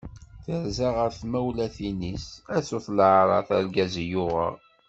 Terza ɣer tmawlatin-is, a sut leɛraḍ argaz i uɣeɣ.